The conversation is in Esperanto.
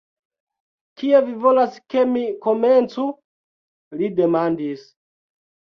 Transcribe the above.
"Kie vi volas ke mi komencu?" li demandis.